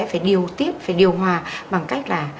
phải điều tiếp phải điều hòa bằng cách là